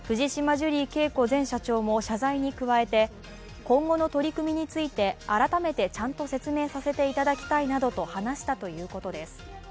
ジュリー景子前社長も謝罪に加えて今後の取り組みについて改めてちゃんと説明させていただきたいなどと話したということです。